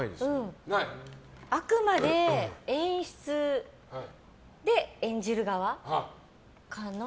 あくまで演出で演じる側かな。